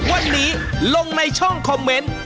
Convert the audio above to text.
วันนี้ลงในช่องคอมเมนต์